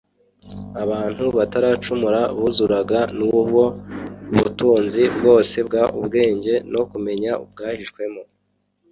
Abantu bataracumura buzuraga nüwo ubutunzi bgose bg ubgenge no kumenya bgahishwemo